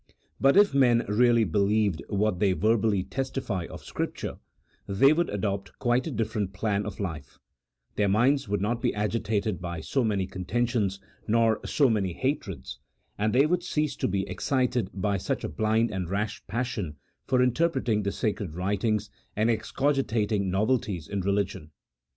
But if men really believed what they verbally testify of Scripture, they would adopt quite a different plan of lif e : their minds would not be agitated by so many con tentions, nor so many hatreds, and they would cease to be excited by such a blind and rash passion for interpreting the sacred writings, and excogitating novelties in religion.